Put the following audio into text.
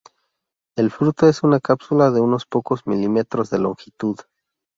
El fruto es una cápsula de unos pocos milímetros de longitud.